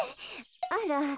あら。